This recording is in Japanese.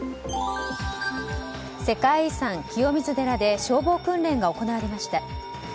世界遺産、清水寺で消防訓練が行われました。